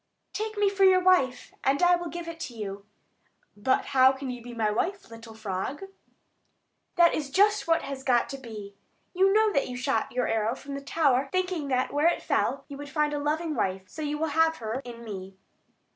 "Take me for your wife, and I will give it to you." "But how can you be my wife, little frog?" "That is just what has got to be. You know that you shot your arrow from the tower, thinking that where it fell, you would find a loving wife; so you will have her in me."